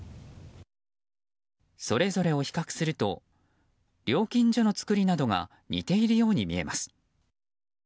それぞれを比較すると料金所の作りなどが似ているように見えます。